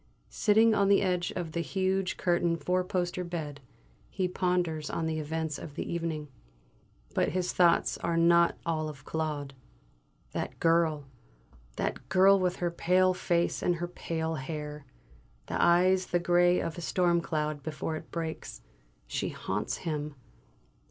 Sitting on the edge of the huge curtained four poster bed, he ponders on the events of the evening. But his thoughts are not all of Claude. That girl that girl with her pale face and her pale hair, and eyes the grey of a storm cloud before it breaks, she haunts him!